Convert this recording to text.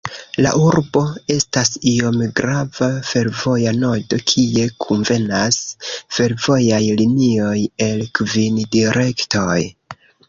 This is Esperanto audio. La urbo estas iom grava fervoja nodo, kie kunvenas fervojaj linioj el kvin direktoj.